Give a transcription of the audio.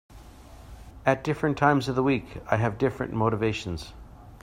At different times of the week I have different motivations.